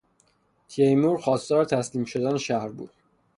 تیمور خواستار تسلیم شدن شهر بود.